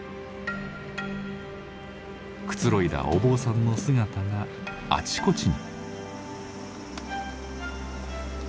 くつろいだお坊さんの姿があちこちに。